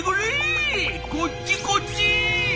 こっちこっち」。